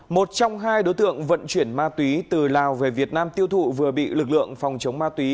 một trong hai đối tượng vận chuyển ma túy từ lào về việt nam tiêu thụ vừa bị lực lượng phòng chống ma túy